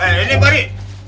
eh ini pak ari